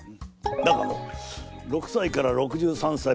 だがのう６歳から６３歳